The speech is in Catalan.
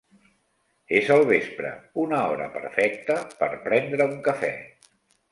És el vespre, una hora perfecta per prendre un cafè.